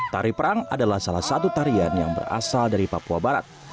tari perang adalah salah satu tarian yang berasal dari papua barat